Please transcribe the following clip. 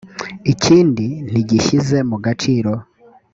ikindi ntigishyize mu gaciro